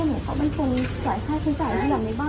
แม่หนูก็แอดเพื่อนแม่บ้านอะไรประมาณเนี้ยค่ะเขาไม่ได้จ่ายอะไรอยู่แล้ว